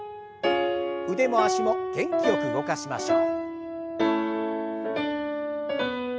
腕も脚も元気よく動かしましょう。